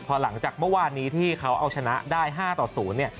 พอหลังจากเมื่อวานนี้ที่เขาเอาชนะได้๕ต่อ๐เนี่ย